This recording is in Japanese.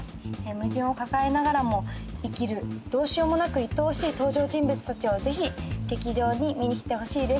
矛盾を抱えながらも生きる、どうしようもなくいとおしい登場人物たちを、ぜひ劇場に観に来てほしいです。